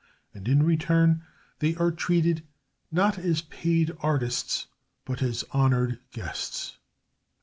And in return they are treated not as paid artists, but as honored guests.